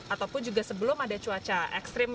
ataupun juga sebelum ada cuaca ekstrim